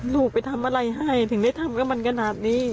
ลูกไปทำอะไรให้ถึงได้ทำกับมันขนาดนี้